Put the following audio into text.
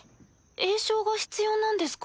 詠唱が必要なんですか？